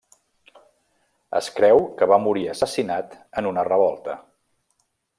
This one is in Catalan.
Es creu que va morir assassinat en una revolta.